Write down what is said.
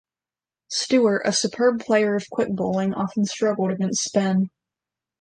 Stewart, a superb player of quick bowling, often struggled against spin.